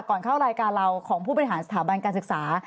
เข้ารายการเราของผู้บริหารสถาบันการศึกษา